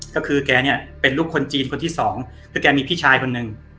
ก็คือแกเนี่ยเป็นลูกคนจีนคนที่สองแล้วแกมีพี่ชายคนหนึ่ง